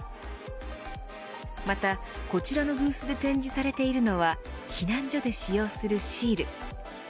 また、こちらのブースで展示されているのは避難所で使用するシール。